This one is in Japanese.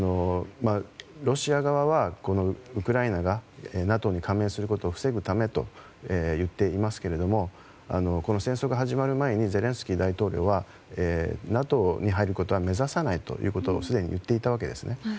ロシア側はウクライナがＮＡＴＯに加盟することを防ぐためと言っていますがこの戦争が始まる前にゼレンスキー大統領はＮＡＴＯに入ることは目指さないとすでに言っていたわけですね。